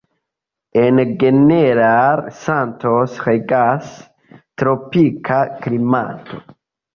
En General Santos regas tropika klimato.